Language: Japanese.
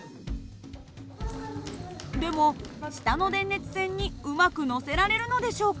でも下の電熱線にうまくのせられるのでしょうか。